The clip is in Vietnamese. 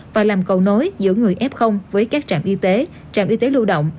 và làm cầu nối giữa người f với các trạm y tế trạm y tế lưu động